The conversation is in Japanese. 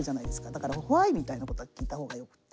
だからＷｈｙみたいなことは聞いた方がよくて。